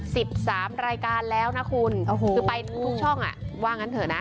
สิบสามรายการแล้วนะคุณโอ้โหคือไปทุกช่องอ่ะว่างั้นเถอะนะ